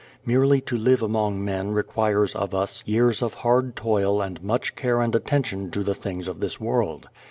Merely to live among men requires of us years of hard toil and much care and attention to the things of this world.